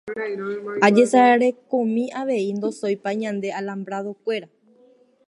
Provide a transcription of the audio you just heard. Ejesarekomi avei ndosóipa ñande alambrado-kuéra.